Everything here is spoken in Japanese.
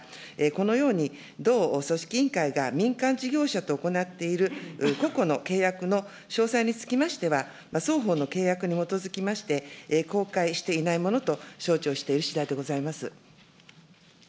このように同組織委員会が民間事業者と行っている個々の契約の詳細につきましては、双方の契約に基づきまして、公開していないものと承知をしているしだいでございます。